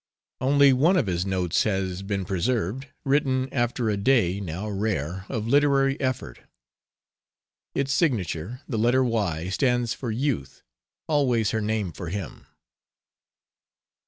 Only one of his notes has been preserved, written after a day, now rare, of literary effort. Its signature, the letter Y, stands for "Youth," always her name for him.